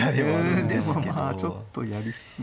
うんでもまあちょっとやり過ぎ。